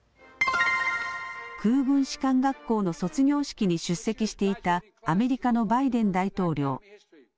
空軍士官学校の卒業式に出席していたアメリカのバイデン大統領。